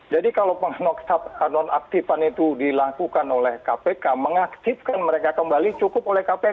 jadi kalau pengenon aktifan itu dilakukan oleh kpk mengaktifkan mereka kembali cukup oleh kpk